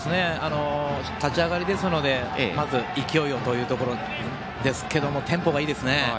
立ち上がりですのでまず勢いを、というところですがテンポがいいですね。